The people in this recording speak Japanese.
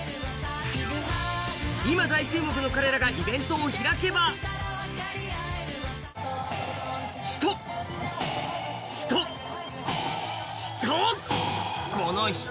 今、大注目の彼らがイベントを開けば人、人、人！